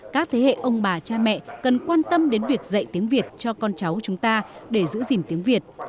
các thế hệ ông bà cha mẹ cần quan tâm đến việc dạy tiếng việt cho con cháu chúng ta để giữ gìn tiếng việt